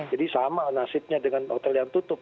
jadi sama nasibnya dengan hotel yang tutup